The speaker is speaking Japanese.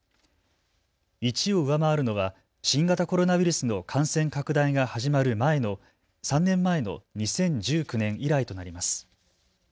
１を上回るのは新型コロナウイルスの感染拡大が始まる前の３年前の２０１９年以来となります。